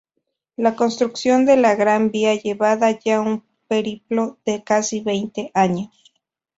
La construcción de la Gran Vía llevaba ya un periplo de casi veinte años.